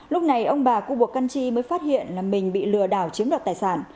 lúc này ông bà cụ bộc căn tri mới phát hiện là mình bị lừa đảo chiếm đọc tài sản